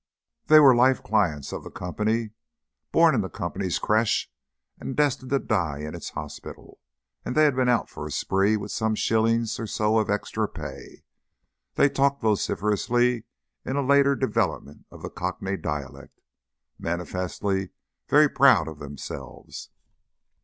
They were life clients of the Company, born in the Company's creche and destined to die in its hospital, and they had been out for a spree with some shillings or so of extra pay. They talked vociferously in a later development of the Cockney dialect, manifestly very proud of themselves.